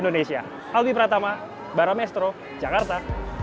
indonesia albi pratama baro mestro jakarta